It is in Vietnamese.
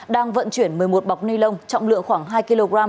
đang vận chuyển một mươi một bọc ni lông trọng lượng khoảng hai kg